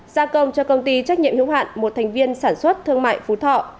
gia công cho công ty trách nhiệm hữu hạn một thành viên sản xuất thương mại phú thọ